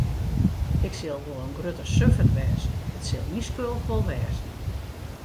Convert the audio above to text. Ik sil wol in grutte suffert wêze, it sil myn skuld wol wêze.